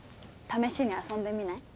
試しに遊んでみない？